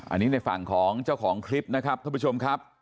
อันนี้ในฝั่งของเจ้าของคลิปนะครับท่านผู้ชมครับ